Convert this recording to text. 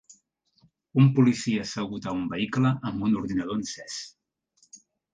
Un policia assegut a un vehicle amb un ordinador encès.